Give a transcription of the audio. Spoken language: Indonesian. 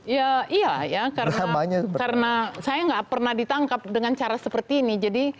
ya iya ya karena saya nggak pernah ditangkap dengan cara seperti ini